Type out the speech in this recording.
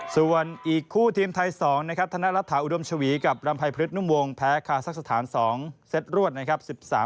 ส่วนอีกคู่ทีมไทย๒นะครับธนรัฐาอุดมชวีกับรำภัยพฤษนุ่มวงแพ้คาซักสถาน๒เซตรวดนะครับ